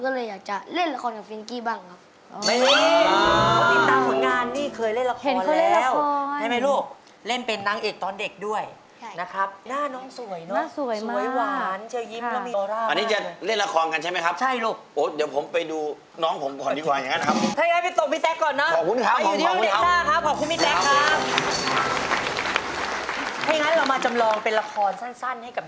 เล่นละครก็เลยอยากจะเล่นละครกับฟินกี้บ้างครับ